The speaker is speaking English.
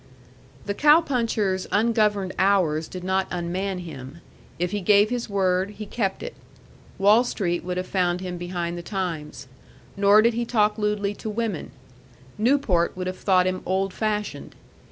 The cow puncher's ungoverned hours did not unman him. If he gave his word, he kept it; Wall Street would have found him behind the times. Nor did he talk lewdly to women; Newport would have thought him old fashioned.